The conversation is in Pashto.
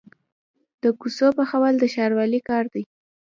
د کوڅو پخول د ښاروالۍ کار دی